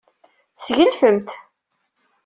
Tesgelfemt.